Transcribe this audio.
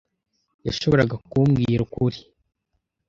yashoboraga kumbwira ukuri.